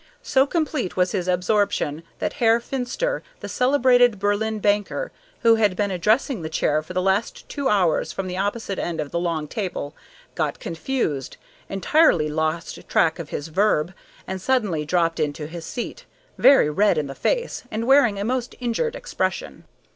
So complete was his absorption that Herr Finster, the celebrated Berlin banker, who had been addressing the chair for the last two hours from the opposite end of the long table, got confused, entirely lost track of his verb, and suddenly dropped into his seat, very red in the face and wearing a most injured expression.